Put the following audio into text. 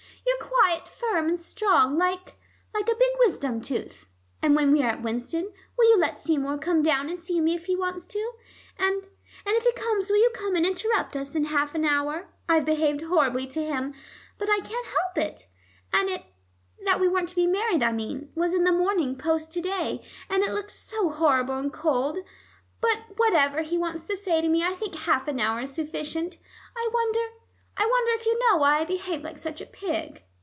"You're quite firm and strong, like like a big wisdom tooth. And when we are at Winston, will you let Seymour come down and see me if he wants to? And and if he comes will you come and interrupt us in half an hour? I've behaved horribly to him, but I can't help it, and it that we weren't to be married, I mean was in the Morning Post to day, and it looked so horrible and cold. But whatever he wants to say to me, I think half an hour is sufficient. I wonder I wonder if you know why I behaved like such a pig."